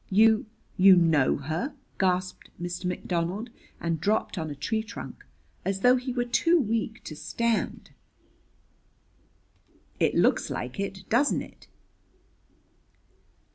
"You you know her?" gasped Mr. McDonald, and dropped on a tree trunk, as though he were too weak to stand. "It looks like it, doesn't it?"